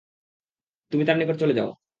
তুমি তার নিকট চলে যাও।